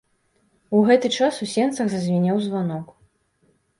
У гэты час у сенцах зазвінеў званок.